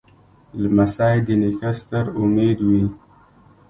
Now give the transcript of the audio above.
لمسی د نیکه ستر امید وي.